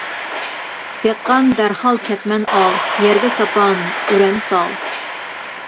دېھقان دەرھال كەتمەن ئال، يەرگە ساپان ئۈرەن سال.